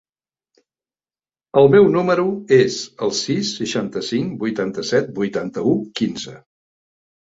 El meu número es el sis, seixanta-cinc, vuitanta-set, vuitanta-u, quinze.